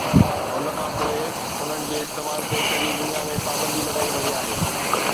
ان کان پوء، انهن جي استعمال تي سڄي دنيا ۾ پابندي لڳائي وئي آهي